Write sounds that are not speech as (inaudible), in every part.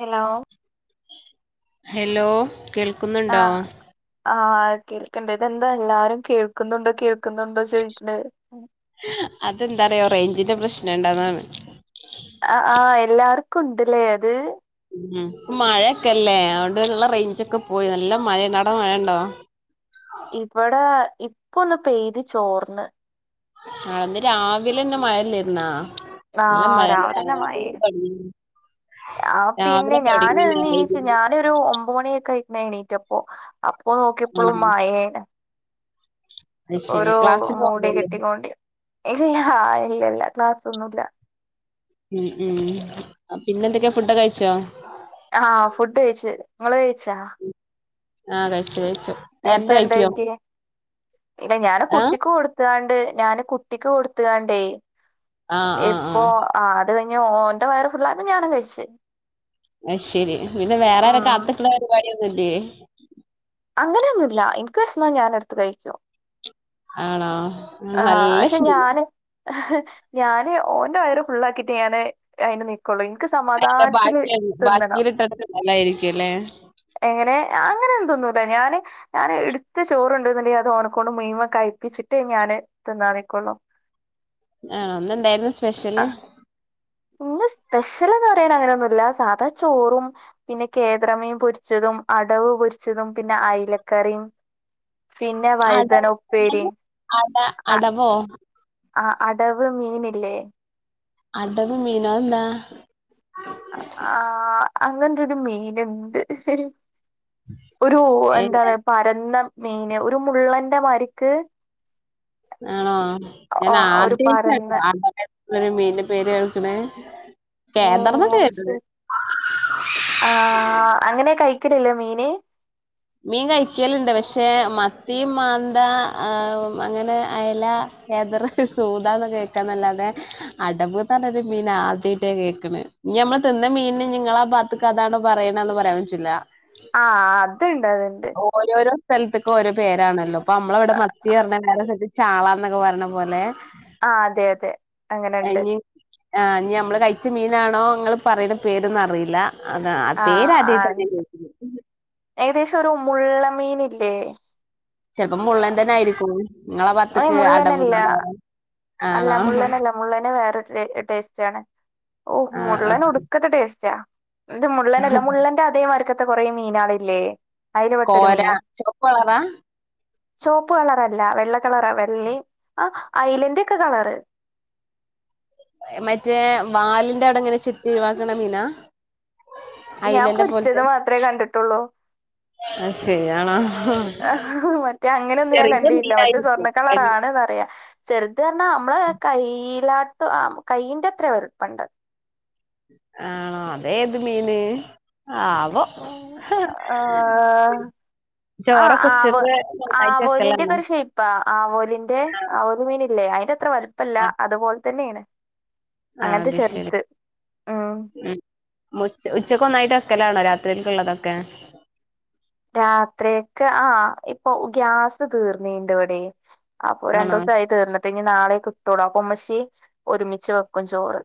Hello hello കേൾക്ക്ന്ന്ണ്ടോ ആഹ് ആഹ് കേൾക്ക്ണ്ട് ഇതെന്താ എല്ലാരും കേൾക്ക്ന്നുണ്ടോ കേൾക്ക്ന്നുണ്ടോ ചോയിക്ക്ണ് അതെന്താന്നറിയോ റേഞ്ചിന്റെ പ്രശ്നം ഉണ്ട് അതാണ് ആഹ് ആഹ് എല്ലാർക്കും ഉണ്ട് ല്ലേ അത് ഉം മഴയൊക്കെല്ലേ അതോണ്ട് ഉള്ള റേഞ്ച് ഒക്കെ പോയി നല്ല മഴ ഇണ്ട് അവിടെ മഴയുണ്ടോ ഇവടെ ഇപ്പൊ ഒന്ന് പെയ്ത് ചോർന്ന് ഇന്ന് രാവിലെന്നെ മഴല്ലായിരുന്നാ നല്ല ആഹ് മഴ രാവിലെന്നെ മഴേനു (unintelligible) രാവിലെ തൊടങ്ങ്യ (unintelligible) ഇന്ന് ഒരു ഒമ്പതു മണിയൊക്കെ ആയിക്ക്ണ് ഞാൻ എണീറ്റപ്പോ അപ്പോ ആണോ നോക്കിയപ്പളും മഴേന്നെ അത് ശരി ഓരോ ക്ലാസ്സിന് മൂടി പോണ്ടല്ലേ കെട്ടികോണ്ട് ഇല്ല ഇല്ല ഇല്ല ക്ലാസ് ഒന്നും ഇല്ല ഉം ഉം അ പിന്നെന്തൊക്കെ ഫുഡൊക്കെ കഴിച്ചോ ആഹ് ഫുഡ് കഴിച്ച് ഇങ്ങള് കഴിച്ചാ ആഹ് കഴിച്ച് കഴിച്ച് എന്താണ്ടാക്കിയേ ഇല്ല ഞാന് ആഹ് കുട്ടിക്ക് കൊടു ഇടുത്ത്ങ്ങാണ്ട് ഞാന് കുട്ടിക്ക് കൊടുത്തു കാണ്ടേ ആഹ് ആഹ് ഇപ്പോ ആഹ് ആ അത് കഴിഞ്ഞ് ഓന്റെ വയറ് ഫുള്ളായപ്പൊ ഞാനും കഴിച്ച് അത് ശരി പിന്നെ വേറെ ആരെയും ആഹ് കാത്ത്ക്ക്ണ പരിപാടിയൊന്നും ലെ അങ്ങനെയൊന്നും ഇല്ല ഇൻക്ക് വെശന്നാ ഞാനെടുത്ത് കഴിക്കും ആണോ ആഹ് നല്ല പക്ഷെ ശീലം ഞാന് ഞാന് ഓന്റെ വയറ് ഫുള്ളാക്കീട്ട് ഞാന് അയിന് നിക്കൊള്ളൂ ഇൻക്ക് അയിന്റെ സമാധാനത്തില് ബാക്കി തിന്നണം ബാക്കിയിലിട്ടിട്ട് നല്ലായിരിക്കും അല്ലേ എങ്ങനെ അങ്ങനെ ഒന്നും തിന്നൂല ഞാന് ഞാന് ഇടുത്ത ചോറ് ഇണ്ട്ന്നി ണ്ടെങ്കി അത് ഓനക്കൊണ്ട് മുഴുവൻ കഴിപ്പിച്ചിട്ടെ ഞാന് തിന്നാൻ നിക്കൊളളു ആഹ് ഇന്ന് എന്തായിരുന്നു സ്പെഷ്യല് ഇന്ന് സ്പെഷ്യല്ന്ന് പറയാൻ അങ്ങനെയൊന്നും ഇല്ല സാധാ ചോറും പിന്നെ കേതര മീൻ പൊരിച്ചതും അടവ് പൊരിച്ചതും പിന്നെ അയ്ലക്കറിയും അടവ് എന്താണ് അട അടവോ ആ അടവ് മീന് ഇല്ലേ അടവ് മീനോ അതെന്താ അ ആഹ് അങ്ങനൊരു മീനുണ്ട് ഒരു എന്താണ് പരന്ന മീന് ഒരു മുള്ളന്റെ മാരിക്ക് ആണോ ഒ ഒരു പരന്ന ഞാനാദ്യായിട്ടാട്ടോ അങ്ങനെയുള്ളൊരു മീന്റെ പേര് കേൾക്കണേ ഏ കേദർന്നൊക്കെ അത് കേട്ടത് ശരി ആ അങ്ങനെ കഴിക്കലില്ലോ മീന് മീൻ കഴിക്കല്ണ്ട് പക്ഷെ മത്തി മാന്ത ആ അങ്ങനെ അയല ഏതറ് ഈ സൂദാന്ന് കേൾക്കാന്നല്ലാതെ അടവ്ന്ന് പറഞ്ഞൊരു മീന് ആദ്യായിട്ടാ കേൾക്ക്ണ് ഇനി നമ്മള് തിന്ന മീന് ഇഞ്ഞ് ഇങ്ങളാ പാ ത്ത്‌ക്ക് അതാണ് പറയിണെന്ന് പറയാൻ പറ്റില്ല ആഹ് അത്ണ്ട് അത്ണ്ട് ഓരോരോ സ്ഥലത്ത്ക്ക് ഓരോ പേരാണല്ലോ ഇപ്പ നമ്മളെവിടെ മത്തി പറഞ്ഞ വേറെ സ്ഥലത്ത് ചാളാന്നൊക്കെ പറയ്ണ പോലെ ആഹ് അതെ അതെ അങ്ങനെണ്ട് ഇനി ആഹ് ഇഞമ്മള് കഴിച്ച മീനാണോ നിങ്ങ പറയുന്ന പേരൊന്നും അറിയില്ല അതാ ആ പേര് ആദ്യായിട്ട ഞാൻ കേൾ ഏകദേശം ഒരു മുുള്ള മീൻ ല്ലേ ചെലപ്പോ മുള്ളേ തന്നെ ആയിരിക്കും ങ്ങള ഏ ബാത്ത്ക്ക് അടവ് മുള്ളനല്ല അല്ല മുള്ളനല്ല മുള്ളനെ വേറെരു ടേസ്റ്റ് ആണ് ഓഹ് ആഹ് ആഹ് മുള്ളന ഒടുക്കത്തെ ടേസ്റ്റാ ഇത് മുള്ളനല്ല മുള്ളൻന്റെ അതേമാർക്കത്തെ കൊറെ മീനാളില്ലേ അയ്ൽ പെട്ടൊരു കോര മീന ചുവപ്പ് കളറാ ചോപ്പ് കളറല്ല വെള്ള കളറ വെള്ള ആ ഐലന്റ ഒക്കെ കളറ് മറ്റേ വാലിന്റെ അടെ ഇങ്ങനെ ചെത്തി ഒഴിവാക്കണ മീനാ ഞാൻ അയിലന്റെ പോലത്തെ പൊരിച്ചത് മാത്രമേ കണ്ടിട്ടുള്ളൂ അത് ശരി ആണോ ആഹ് മറ്റേ അങ്ങനെന്നും ഞാൻ ചെറിയ കണ്ടില്ല മറ്റേ മീനായിരിക്കും സ്വർണ്ണ കളറാണ് ന്നറിയ ചെറുത് പറഞ്ഞാൽ നമ്മള് കൈയിലാട്ട് കൈയ്യിന്റെ അത്ര വലുപ്പണ്ട് ആണോ അതെ ഏത് മീന് ആവോ ആഹ് ആഹ് ചോറൊക്കെ ഉച്ചക്ക് ആവ് ഒന്നായിട്ട് ആവോലിന്റെ ഒക്കെ വെക്കലാണോ ഒരു ഷൈപ്പാ ആവോലിന്റെ ആവോലി മീന ഇല്ലേ അതിന്റെത്ര വലുപ്പം പ്പല്ല അതുപോലെ തന്നെയാണ് ആ അങ്ങനത്തെ അത് ശരി ചെറുത് ഉ ഉച്ചക്കൊന്നായിട്ട്ക്കലാണോ രാത്രിക്കുള്ളള്ളതൊക്കെ രാത്രിയൊക്കെ ആഹ് ഇപ്പൊ ഗ്യാസ് തീർന്നീണ്ട് ഇവിടെ അപ്പൊ ആണോ രണ്ടൂസായി തീർന്ന്ട്ട്. ഞ് നാളെ കിട്ടോള്ളൂ. അപ്പം മ്മച്ചി ഒരുമിച്ച് വെക്കും ചോറ്.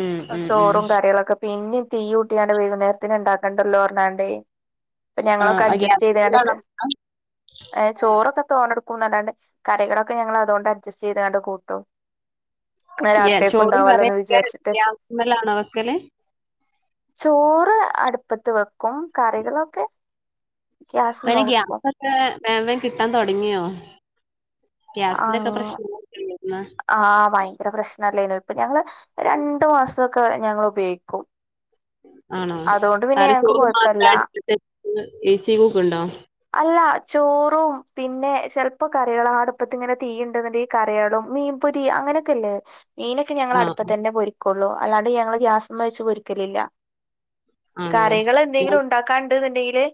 ഉം ഉം ഉം ചോറും കറിളൊക്കെ. പിന്നിം തീയൂട്ടിയാണ്ട് വൈകുന്നേരത്തിന് ഉണ്ടാക്കണ്ടല്ലോ പറഞ്ഞാണ്ടയ്. അപ്പൊ ആ ഞങ്ങളൊക്കെ ആ അഡ്ജസ്റ്റ് ചെയ്താണ്ട്‌ക്ക. ഗ്യാസ്മലാണോ ചോറൊക്കെ- തോനെടുക്കും എന്നല്ലാണ്ട്, കറികളക്കെ ഞങ്ങൾ അതുകൊണ്ട് അഡ്ജസ്റ്റ് ചെയ്തുകാണ്ട് കൂട്ടും. ഇന്നാ ഏഹ് രാത്രിയേക്കും ചോറും ഉണ്ടാവല്ലോന്ന് കറിയൊക്കെ വിചാരിച്ചിട്ട് ഗ്യാസ്മ്മലാണോ വെക്കല്? ചോറ് അടുപ്പത്ത് വെക്കും. കറികളൊ - പ്പയിന് ഗ്യാസൊക്കെ വേം വേം കിട്ടാൻ തൊടങ്ങിയോ? ആഹ് ഗ്യാസിന്റൊക്കെ പ്രശ്നങ്ങളൊക്കെ ഇണ്ടായിരുന്നോ ആഹ. ഭയങ്കര പ്രശ്നല്ലനല്ലായിനോ? ഇപ്പൊ ഞങ്ങള് രണ്ടു മാസൊക്കെ ഞങ്ങള് ഉപയോഗിക്കും. ആണോ? അതുകൊണ്ട് പിന്നെ കറി, ഞങ്ങക്ക് ചോറ് മാത്ര കൊഴപ്പല്ല അടുപ്പത്ത്ച്ച്, ഇ സി കുക്കുണ്ടോ? അല്ല. ചോറും പിന്നെ ചെലപ്പ കറികള അടുപ്പത്തി ങ്ങനെ തീ ഉണ്ടെന്നണ്ടങ്കി. കറിയാളും, മീൻപൊരി അങ്ങനൊക്കെല്ലേ? മീന- ഞങ്ങൾ ആ അടുപ്പത്തന്നെ പൊരിക്കൊള്ളൂ. അല്ലാണ്ട് ഞങ്ങള് ഗ്യാസ്മ്മച്ച് പൊരിക്കലില്ല. ആണോ കറികൾ ഉം എന്തെങ്കിലും ഉണ്ടാക്കാണ്ട്ന്നുണ്ടെങ്കില്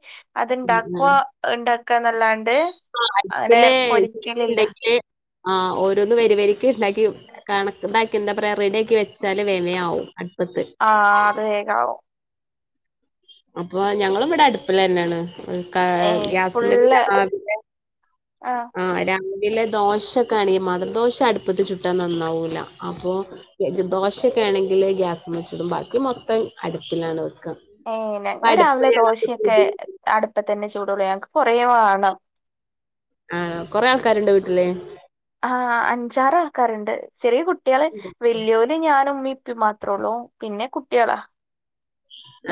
അത്ണ്ടാക്കവാ. ണ്ടാക്കാന്നല്ലാണ്ട്. ആഹ് അടുപ്പില് തീജ്ജ്ണ്ടെങ്കില്, ആ ഓരോന്ന് വരിവരിക്ക് ഉണ്ടാക്കി വെക്കും. കണക്ക് താക്കി എന്താ പറയ, റെഡിയാക്കി വെച്ചാല് വേം വേം ആവും അടുപ്പത്ത്. ആഹ് അത് വേകാവും. അപ്പൊ ഞങ്ങളുംവ്ടെ അടുപ്പിലന്നെണ്. ഏഹ് ഗ്യാസ്മ്മല് ഫുള്ള് രാവിലെ - ആഹ് ആഹ. രാവിലെ ദോശൊക്കെ ആണെങ്കി മാത്രം ദോശ അടുപ്പത്ത് ചുട്ടാ നന്നാവൂല. അപ്പൊ- ദോശക്കെ ആണെങ്കിൽ ഗ്യാസ്മെ ചുടും. ബാക്കി മൊത്തം അടുപ്പിലാണ് വെക്കാ. ഏഹ്. ഞങ്ങള് രാവിലെ ദോശയൊക്കെ അടുപ്പത്തന്നെ ചൂടുള്ളൂ. ഞങ്ങക്ക് കുറെ വാണം. ആഹ് കൊറേ ആൾക്കാരുണ്ടോ വീട്ടില്? ആഹ് അഞ്ചാറാൾക്കാരുണ്ട് ചെറിയ കുട്ടികള് വല്ല്യോര് ഞാനും ഉമ്മിം ഉപ്പിം മാത്രേ ഉള്ളൂ. പിന്നെ കുട്ടിയോളാ.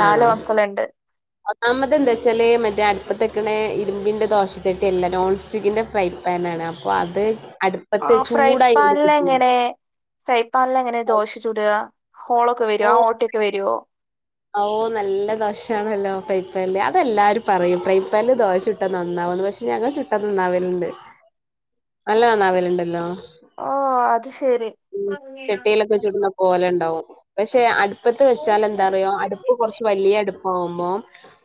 ആഹ് ഒന്നാമത് എന്താച്ചാല് മറ്റേ അടുപ്പത്തെക്കണെ ഇരുമ്പിന്റെ ദോശച്ചട്ടില്ല. Non സ്റ്റിക്ക്ൻ്റെ fry പാനാണ്. അപ്പോ അത് അടു ആഹ് ഫ്രൈ പാനിലെങ്ങനെ? ഫ്രൈപാനിലെങ്ങനെ ദോശ ചുടുകാ ഹോളൊക്കെ വരോ? ഓ ആഹ് ഓട്ടയൊക്കെ വരോ? ഓ നല്ല ദോശണല്ലോ ഫ്രൈ പാനില്. അതെല്ലാരും പറയും ഫ്രൈപാനില് ദോശ ചുട്ടാ നന്നാവുന്ന് പക്ഷെ ഞങ്ങൾ ചുട്ടാ നന്നാവല്ണ്ട്. നല്ല നന്നാവലുണ്ടല്ലോ. ആഹ് അത് ശെരി പോലെണ്ടാവും. പക്ഷെ അടുപ്പത്ത് വെച്ചാൽ എന്താ? അടുപ്പ് കുറച്ച് വലിയ അടുപ്പുവാകുമ്പോ.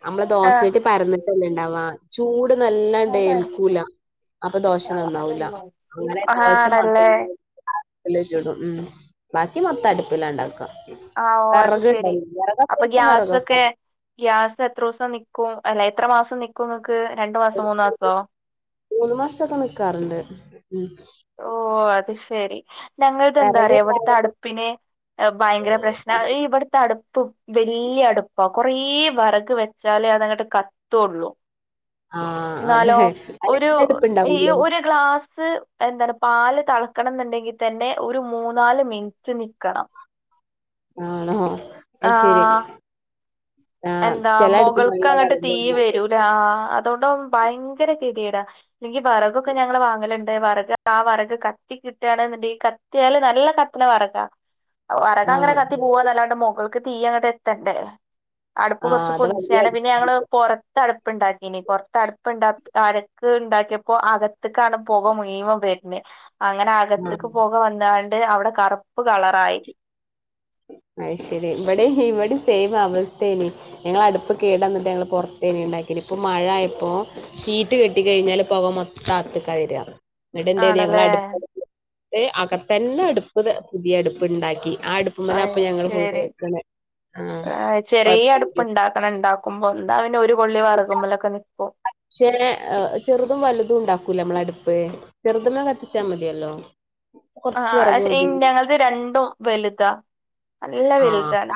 നമ്മളെ ദോശചട്ടി പരന്നിട്ടല്ലെ ഇണ്ടാവാ. ചൂട് നല്ലാണ്ട് ഏൽക്കൂല. അപ്പൊ ദോശ നന്നാവൂല. അങ്ങനെ ആഹ് ദോശ മാത്ര ആണല്ലേ ല് ചുടും ഉം ബാക്കി മൊത്തം അടുപ്പിലുണ്ടാക്കാ. ആഹ് ഓ അത് ശെരി അപ്പൊ ഗ്യാസൊക്കെ? വെറകൊക്കെണ്ട് ഗ്യാസ് എത്രോസം നിക്കും, അല്ല എത്ര മാസം നിക്കും ഇങ്ങക്ക് രണ്ടു മാസോ ഒരു മൂന്ന് മാസോ മൂന്ന് മാസൊക്കെ നിക്കാറുണ്ട്. ഉം ഓ അത് ശെരി വെറക് ഞങ്ങൾക്കെന്താറിയോ ഇവിടുത്തെ ഇണ്ടായാല് അടുപ്പിന് ഭയങ്കര പ്രശ്നാ. ഇവിടുത്തെ അടുപ്പും വല്ല്യ അടുപ്പാ കൊറേ വെറക് വെച്ചാലേ അതങ്ങട്ട് കത്തുള്ളൂ. ആഹ് അതെ എന്നാലോ ഒരു രണ്ട് ഈ അടുപ്പ്ണ്ടാവൂലേ ഒരു ഗ്ലാസ്. എന്താണ് പാല് തിളക്കണംന്നുണ്ടെങ്കി തന്നെ ഒരു മൂന്നാല് മിനിറ്റ് നിക്കണം. ആണോ? ശരി ആഹ് ആഹ് എന്താ ചെല അടുപ്പിന് മൊകൾക്ക് നല്ല അങ്ങട്ട് തീ വെറകുണ്ടാവും വെരൂ ആഹ് അതൊണ്ടും ഭയങ്കര ഗെതികേടാ ഇല്ലെങ്കി വെറകൊക്കെ ഞങ്ങള് വാങ്ങലൊണ്ട് വെറക് ആഹ് വെറക് കത്തി കിട്ടാണ്ന്ന് ഇണ്ടെങ്കി കത്തിയാല് നല്ല കത്ത്ണ വെറകാ വെറക് അങ്ങനെ ആഹ് കത്തി പോവന്നല്ലാണ്ട് മൊകൾക്ക് തീ അങ്ങട്ടെത്തണ്ടേ അടുപ്പ് ആഹ് കൊറച്ച് അത് വലിയ പൊന്തിച്ചാണ് പിന്നെ ഞങ്ങള് അടുപ്പായിരിക്കും പൊറത് ത്തട്‌പ്പുണ്ടാക്കീന് പൊറത്തട്‌പ്പുണ്ടാക് അട്‌ക്ക് ഇണ്ടാക്കിയപ്പോ അകത്ത് ക്കാണ് പൊക മുയുവം വെരനെ അങ്ങനെ അകത്ത്ക്ക് ആഹ് പൊക വന്നാണ്ട് അവടെ കറുപ്പ് കളറായി അയ്ശെരി ഇവടേം ഹിവടേം സെയിംമ് അവസ്ഥേനി ഞങ്ങള് അടുപ്പ് കേട്‌ വന്നിട്ട് ഞങ്ങള് പൊറത്തേന് ഇണ്ടാക്കിനെ ഇപ്പൊ മഴ ആയപ്പോ ഷീറ്റ് കെട്ടി കഴിഞ്ഞാല് പൊക മൊത്തം അകത്ത്ക്കാ വെരാ ഇവ്ടൊണ്ടൊര് ഞങ്ങള് ആണല്ലേ അടുപ്പ് ര് അകത്തന്നെ അടുപ്പ്ത് പുതിയ അടുപ്പ് ഇണ്ടാക്കി ആഹ് അടുപ്പ്മേല് അയ് ശെരി ആഹ് ചെറിയ കൊഴപ്പൊന്നുല്ല അടുപ്പൊൺ ഇണ്ടാക്കണം ഉണ്ടാക്കുമ്പോ എന്താ പിന്ന ഒര്കൊള്ളി വെറകുമ്മലക്ക് നിക്കും പക്ഷേ അങ്ങനെ ചെറുതും വലുതും ഉണ്ടാക്കൂലെ നമ്മളെ അടുപ്പ് ചെറുതുമ്മെ കത്തിച്ചാ മതിയല്ലോ കൊറച്ച് ആഹ് വിറക് പഷേ എൻ മതി ഞങ്ങളത് രണ്ടും വെലുതാ നല്ല വെലുതാണ്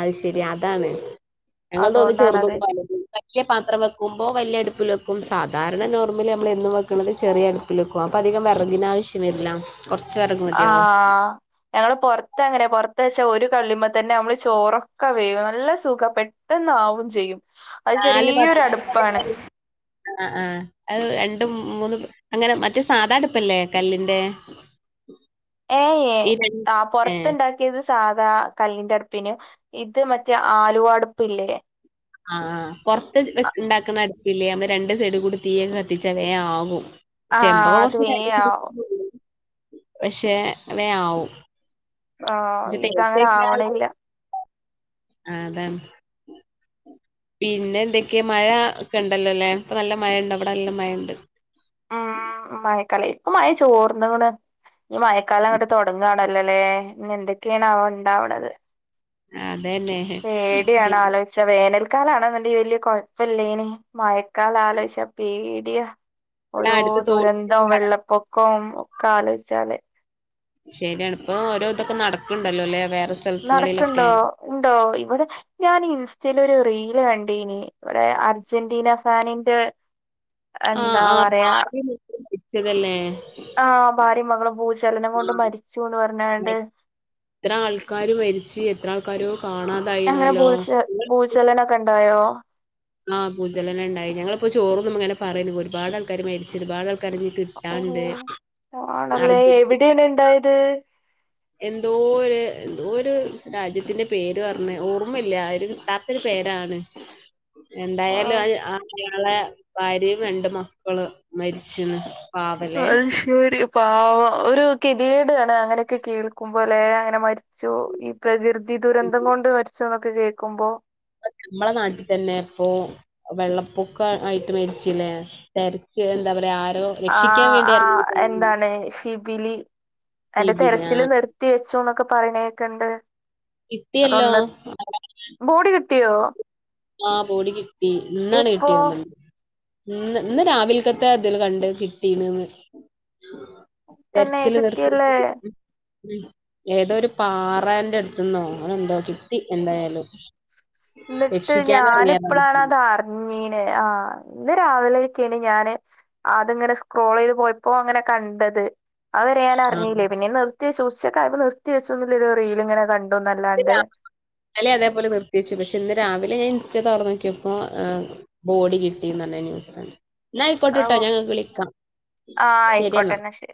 അയ്ശെരി അതാണ് ഞങ്ങൾ തോന്ന് ചെറ്തും അതുകൊണ്ടാണത് വല്തും വല്യ പാത്രം വെക് ക്കുമ്പോ വല്ല്യ അടു‌പ്പില് വെക്കും സാധാരണ നോർമല് നമ്മള് എന്നും വെക്കണത് ചെറിയ അടുപ്പില് വെക്കും അപ്പം അധികം വെറകിനാവശ്യ (unintelligible) കൊറച്ച് (unintelligible) ആഹ് ഞങ്ങള് പൊറത്തങ്ങനെ പൊറത്ത് വെച്ച ഒര് കള്ളിമ തന്നെ നമ്മള് ചോറൊക്ക വേവും നല്ല സുഖ പെട്ട ട്ടന്നാവും ചെയ്യും അത് ചെറിയൊരടുപ്പാണ് അ ആഹ് അത് രണ്ടും മൂന്നും അങ്ങന മറ്റേ സാധാ അട്‌പ്പല്ലേ കല്ലിന്റെ ഏയ്ഏഹ് ഈ രണ്ട് ആ ഏ പൊറത്ത്ണ്ടാക്കി യത് സാധാ കല്ലിന്റ അട്‌പ്പെനു ഇത് മറ്റെ ആലുവ അട്‌പ്പ് ഇല്ലേ ആഹ് ആഹ് പൊറത്ത് വെക് ഇണ്ടാക്കണ അട്‌പ്പില്ലേ നമ്മള് രണ്ട് സൈഡ് കൂടി തീയെക്ക കത്തിച്ച വേം ആവും ആഹ് ചെമ്പക്കൊ അത് കൊറച്ച് വേം ആവും (unintelligible) പക്ഷെ വേം ആവും ആഹ് ഇജ്ജ് ഇതങ്ങനെ ആവണില്ല (unintelligible) ആഹ് അതാണ്‌ പിന്ന എന്തക്കെ മഴ ഒക്ക ഇണ്ടല്ലോല്ലേ ഇപ്പ നല്ല മഴണ്ട് ഇവട നല്ല മഴണ്ട് ഉം മഴക്കാല ഇപ്പ മഴ ചോർന്ന്ങ്ങ്ണ് ഇനി മയക്കാലം അങ്ങട്ട് തൊടങ്ങാ ണല്ലോലെ ഇനി എന്തൊക്കെയാണാവോ ഉണ്ടാവണത് അതന്നെ പേടിയാണ് ആലോയ്ച്ച വേനൽ ക്കാലാണെന്നുണ്ടെ വല്യ കുഴപ്പല്ലേനിം മഴക്കാല ആലോയ്ച്ച പേടിയ ഇവിടെ ഓരോ അടുത്ത് തോ ദുരന്തവും വെള്ളപ്പൊക്കൊ ഒക്കെ ആലോയ്ച്ചാല് ശരിയാണ് ഇപ്പ ഓരോ ഇതൊക്ക നടക്കുണ്ടല്ലോ അല്ലേ വേറെ സ നടക്ക്‌ണ്ടോ ഉണ്ടോ ഇവടെ ഞാന് ഇൻസ്റ്റെലൊര് റീല് കണ്ടീനി ഇവടെ അർജന്റീന ഫാനിന്റ എന്താ പറയാ ഇച്ചതല്ലേ ആഹ് ഭാര്യം മകളും ഭൂചലനം കൊണ്ട് ആഹ് മരിച്ചൂന്ന് പറഞ്ഞാണ്ട് എത്ര ആൾക്കാര് മരിച്ച്‌ എത്ര ആൾക്കാരോ കാണാ അങ്ങനെ ഭൂൽച്ച ഭൂചലനെക്കെ ഇണ്ടായോ ആഹ് ഭൂചലനണ്ടായി ഞങ്ങളിപ്പ ചോറ് തിന്നുമ്പങ്ങനെ പറയയ്നിം ഒര്പാട് ആൾക്കാര് മരിച്ച്‌ ഒര്പാട് ആൾക്കാര് ഇനി കിട്ടാണ്ട് അറിഞ്ഞു ഇതെങ്ങ്നെ ഇണ്ടായത് എന്തോ ഒര് എന്തോ ഒര് രാജ്യത്തിന്റെ പേര് പറഞ്ഞ് ഓർമ്മല്ല ഒര് കിട്ടാത്തൊര് പേരാണ് എന്തായാലും അത് ആ അയാളെ ഭാര്യയും രണ്ട് മക്കള് മരിച്ച്ണ് പാവലേ അഹ് ശെരി ഒരു പാവം ഒരു കെതിയേടാണ് അങ്ങനൊക്കെ കേൾക്കുമ്പലേ അങ്ങനെ മരി ച്ചു ഈ പ്രകൃതി ദുരന്തം കൊണ്ട് മരിച്ചൂന്നൊക്കെ കേൾക്കുമ്പൊ മ്മളെ നാട്ടി തന്നെ ഇപ്പൊ വെള്ളപ്പൊക്ക ആയിട്ട് മര്ച്ചിലേ തെര്ച്ച് എന്താ പറയാ ആരോ രക്ഷിക്കാൻ ആഹ് വേണ്ടി ആഹ് ഇറങ്ങിയതായിരുന്നു എന്താണ് ഷിബിലി അയിന്റെ ജിബിൻ തെരച്ചില് ആഹ് നിർത്തി വെച്ചൂന്നൊക്കെ പറിണേക്ക്ണ്ട് കിട്ടിയല്ലോ ബോഡി കിട്ടിയോ? ആഹ് ബോഡി കിട്ടി ഇന്നാണ് ഇപ്പോ കിട്ടിയൊന്ന്ണ് ഇന്ന് ഇന്ന് രാവിൽക്കത്തെ ഇതില് കണ്ട് കിട്ടീണ്ന്ന് തന്നെ തെര്ച്ചില് നിർത്തി കിട്ടിയല്ലേ (unintelligible) ഉം ഏതോ ഒരു പാറന്റെട്ത്ത്ന്നോ അങ്ങനെ എന്തോ കിട്ടി എന്തായാലും എന്നിട്ട് രക്ഷിക്കാൻ ഇറങ്ങിയതാണ് ഞാന്പ്പളാണത് അർ ഞ്ഞീനെ ആഹ് ഇന്ന് രാവിലെക്കേണ് ഞാന് അത്ങ്ങനെ സ്ക്രോളൈത് പോയപ്പോ അങ്ങനെ കണ്ടത് അഹ് വരേ ആ ഞാനർഞ്ഞീല്ല പിന്നെ നിർത്തി വെച്ചു ഉച്ചക്കിയപ്പൊ നിർത്തി വെച്ചൊന്നുള്ളൊരു റീൽ ഇങ്ങനെ കണ്ടുന്നല്ലാണ്ട് ഇന്നലിം അതേപോലെ നിർത്തിയച്ചു പഷെ ഇന്ന് രാവിലെ ഞൻ ഇൻസ്റ്റേതൊർന്നോക്കിയപ്പൊ ബോഡി കിട്ടിന്നർഞ്ഞ ന്യൂസാണ് ഇന്നാ ഐക്കോട്ടട്ടോ ആഹ് ഞാം ഇങ്ങക്ക് വിളിക്കാ ആയിക്കോട്ടെ ശരിയെന്നാ എന്നാ ശരി